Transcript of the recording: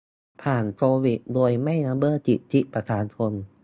ผ่านโควิด โดยไม่ละเมิดสิทธิประชาชน